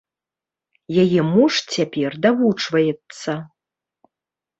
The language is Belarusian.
Яе муж цяпер давучваецца.